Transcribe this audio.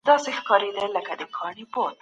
تر پایه پورې به ما ډېرې تجربې اخیستې وي.